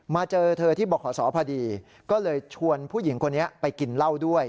เจอเธอที่บอกขอสอพอดีก็เลยชวนผู้หญิงคนนี้ไปกินเหล้าด้วย